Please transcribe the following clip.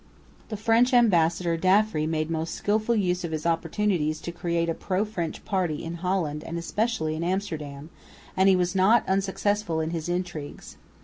The French ambassador, D'Affry, made most skilful use of his opportunities to create a pro French party in Holland and especially in Amsterdam, and he was not unsuccessful in his intrigues.